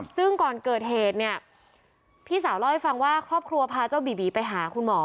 ซึ่งก่อนเกิดเหตุเนี่ยพี่สาวเล่าให้ฟังว่าครอบครัวพาเจ้าบีบีไปหาคุณหมอ